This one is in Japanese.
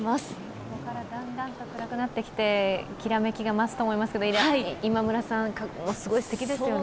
そこからだんだんと暗くなってきてきらめきが増すと思いますけど、今村さん、すごいすてきですよね。